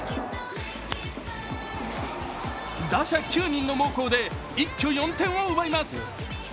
打者９人の猛攻で一挙４点を奪います。